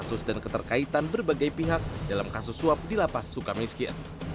kasus dan keterkaitan berbagai pihak dalam kasus suap di lapas suka miskin